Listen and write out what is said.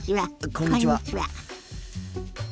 こんにちは。